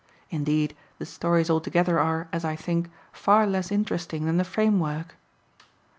Indeed, the stories altogether are, as I think, far less interesting than the framework.